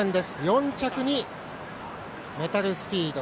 ４着にメタルスピード。